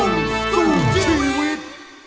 รวมต้นสู่ชีวิต